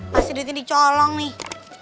pasti duitnya dicolong nih